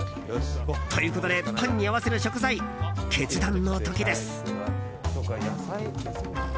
ということでパンに合わせる食材決断の時です。